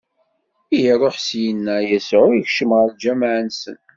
Mi iṛuḥ syenna, Yasuɛ ikcem ɣer lǧameɛ-nsen.